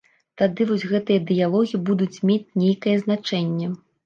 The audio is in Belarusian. Тады вось гэтыя дыялогі будуць мець нейкае значэнне.